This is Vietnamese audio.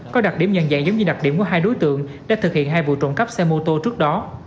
có đặc điểm nhận dạng giống như đặc điểm của hai đối tượng để thực hiện hai vụ trộm cắp xe mô tô trước đó